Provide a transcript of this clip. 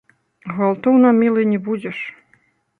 Гвалтоўна мілы не будзеш.